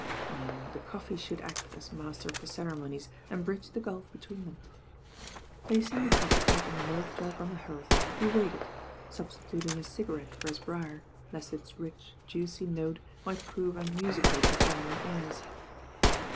No, the coffee should act as mas ter of the ceremonies and bridge the gulf between them. Placing the coffee pot and the milk jug on the hearth, he waited, substituting a cigarette for his briar, lest its rich, juicy note might prove un musical to feminine ears.